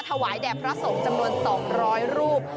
ถวายแด่พระสงฆ์จำนวน๒๐๐รูป